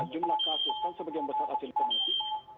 jumlah kasus kan sebagian besar asing kondisi